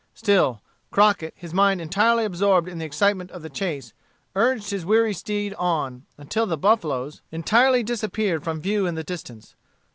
Still, Crockett, his mind entirely absorbed in the excitement of the chase, urged his weary steed on, until the buffalos entirely disappeared from view in the distance.